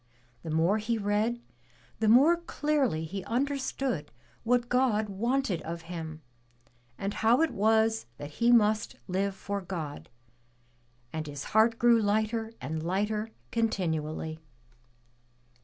The more he read, the more clearly he understood what God wanted of him, and how it was that he must live for God; and his heart grew Ughter and lighter continually.